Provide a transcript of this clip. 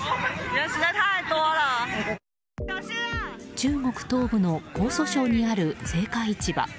中国東部の江蘇省にある青果市場。